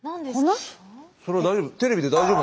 それ大丈夫？